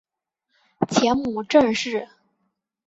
前母郑氏。